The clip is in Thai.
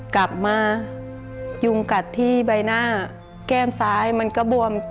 กลับมายุงกัดที่ใบหน้าแก้มซ้ายมันก็บวม